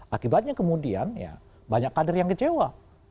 akibatnya kemudian ya banyak kader yang kecewa